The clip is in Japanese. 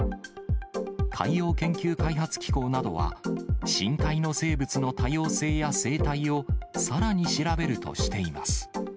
海洋研究開発機構などは、深海の生物の多様性や生態をさらに調べるとしています。